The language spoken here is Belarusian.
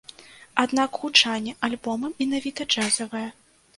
Аднак гучанне альбома менавіта джазавае.